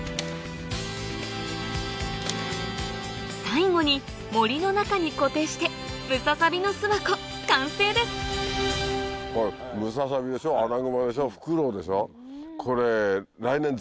最後に森の中に固定してムササビの巣箱完成ですこれ。